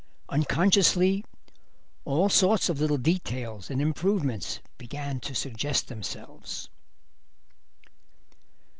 Unconsciously all sorts of little details and improvements began to suggest themselves.